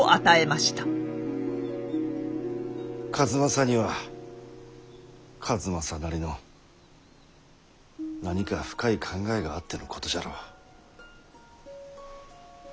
数正には数正なりの何か深い考えがあってのことじゃろう。